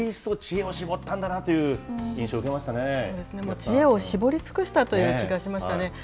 知恵を絞り尽くしたという気がしましたね。